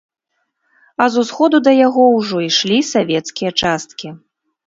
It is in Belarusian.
А з усходу да яго ўжо ішлі савецкія часткі.